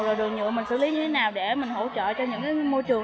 rồi đồ nhựa mình xử lý như thế nào để mình hỗ trợ cho những môi trường